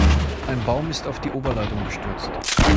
Ein Baum ist auf die Oberleitung gestürzt.